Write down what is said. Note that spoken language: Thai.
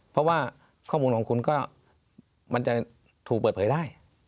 เพราะว่าข้อมูลของคุณก็มันจะถูกเปิดเผยได้